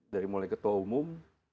dari mulai ketua umum